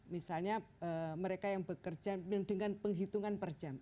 misalnya mereka yang bekerja dengan penghitungan per jam